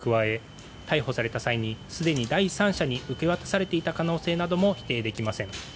すでに発見され押収されている可能性に加え逮捕された際にすでに第三者に受け渡されていた可能性なども否定できません。